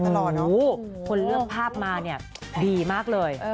คนเลือกภาพมาเนี่ยดีมากเลย